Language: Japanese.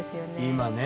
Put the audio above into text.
今ね。